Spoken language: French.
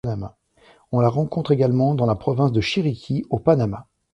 On la rencontre également dans la province de Chiriquí au Panama.